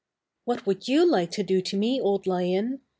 "What would you like to do to me. Old Lion?"